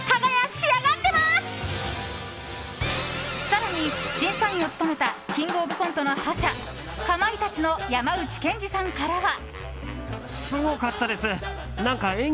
更に、審査員を務めた「キングオブコント」の覇者かまいたちの山内健司さんからは。